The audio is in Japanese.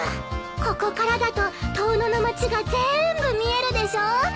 ここからだと遠野の町が全部見えるでしょ！